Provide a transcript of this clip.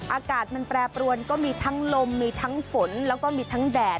อากาศมันแปรปรวนก็มีทั้งลมมีทั้งฝนแล้วก็มีทั้งแดด